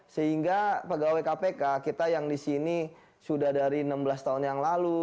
sehingga pegawai kpk kita yang di sini sudah dari enam belas tahun yang lalu